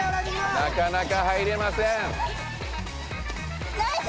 なかなか入れません。